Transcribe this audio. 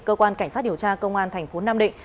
cơ quan cảnh sát điều tra công an thành phố nam định